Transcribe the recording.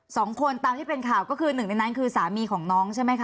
สองคนตามที่เป็นข่าวก็คือหนึ่งในนั้นคือสามีของน้องใช่ไหมคะ